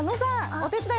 お手伝い